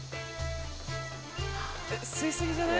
吸い過ぎじゃない？